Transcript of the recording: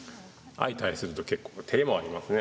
相対するとてれもありますね。